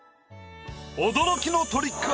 驚きのトリック